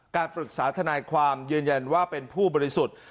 การปรึกษาทนายความยืนยันว่าเป็นผู้บริสุทธิ์